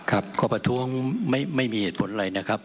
ข้อประท้วงไม่มีเหตุผลอะไรนะครับ